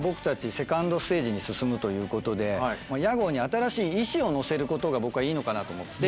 セカンドステージに進むということで屋号に新しい意思を乗せることが僕はいいのかなと思って。